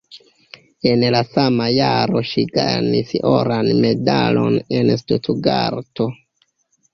En la sama jaro ŝi gajnis oran medalon en Stutgarto.